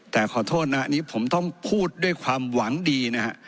แต่ขอโทษนะอันนี้ผมต้องพูดด้วยความหวังดีนะฮะ